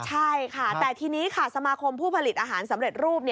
ใช่ค่ะแต่ทีนี้ค่ะสมาคมผู้ผลิตอาหารสำเร็จรูป